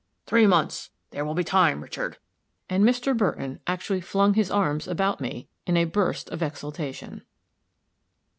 "Three months! There will be time, Richard!" and Mr. Burton actually flung his arms about me, in a burst of exultation.